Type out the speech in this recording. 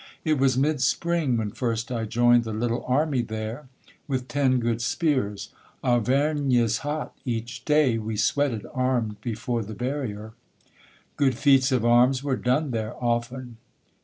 It was mid spring, When first I joined the little army there With ten good spears; Auvergne is hot, each day We sweated armed before the barrier; Good feats of arms were done there often.